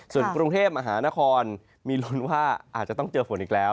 ส่วนกรุงเทพมหานครมีลุ้นว่าอาจจะต้องเจอฝนอีกแล้ว